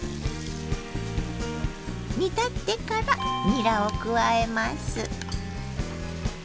煮立ってからにらを加えます。